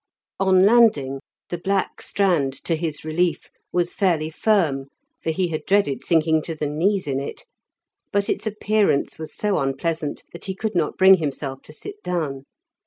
On landing, the black strand, to his relief, was fairly firm, for he had dreaded sinking to the knees in it; but its appearance was so unpleasant that he could not bring himself to sit down.